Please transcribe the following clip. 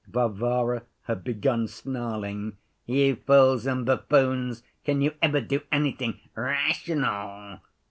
Varvara had begun snarling. 'You fools and buffoons, can you ever do anything rational?